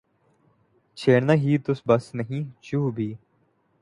چھیڑنا ہی تو بس نہیں چھو بھی